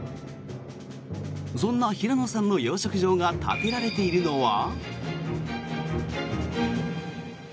そんな平野さんの養殖場が建てられているのは。